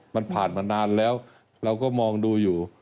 มันผ่านมานานแล้วเราก็มองดูอยู่